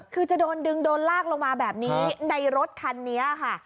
คือจะโดนดึงโดนลากลงมาแบบนี้ในรถคันนี้ค่ะ